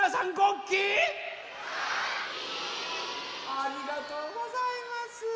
ありがとうございます。